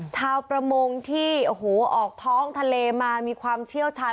ชาวประมงที่โอ้โหออกท้องทะเลมามีความเชี่ยวชาญ